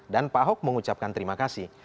dan pak ahok mengucapkan terima kasih